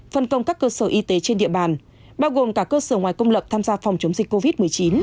phân công các cơ sở y tế trên địa bàn bao gồm cả cơ sở ngoài công lập tham gia phòng chống dịch covid một mươi chín